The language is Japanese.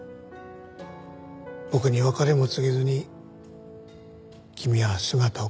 僕に別れも告げずに君は姿を消してしまった。